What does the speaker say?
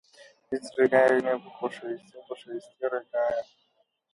هیچ ڕێگایەک نییە بۆ خۆشەویستی. خۆشەویستی ڕێگایە.